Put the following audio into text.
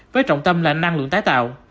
với trọng tâm là năng lượng tái tạo